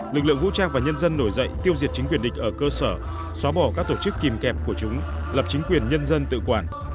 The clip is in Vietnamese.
lực lượng vũ trang và nhân dân nổi dậy tiêu diệt chính quyền địch ở cơ sở xóa bỏ các tổ chức kìm kẹp của chúng lập chính quyền nhân dân tự quản